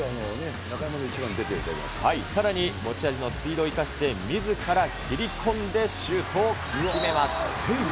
さらに持ち味のスピードを生かしてみずから切り込んでシュートを決めます。